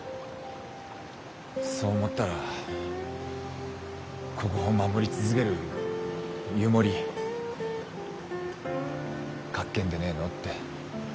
そう思ったらこごを守り続ける湯守かっけーんでねえのって。